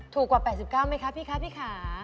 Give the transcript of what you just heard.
ถูกกว่า๘๙บาทไหมคะพี่คะ